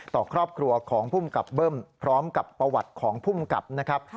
ต่อครอบครัวของภูมิกับเบิ้มพร้อมกับประวัติของภูมิกับนะครับ